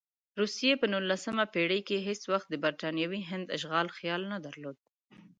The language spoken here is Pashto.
روسیې په نولسمه پېړۍ کې هېڅ وخت د برټانوي هند اشغال خیال نه درلود.